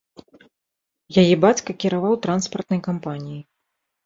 Яе бацька кіраваў транспартнай кампаніяй.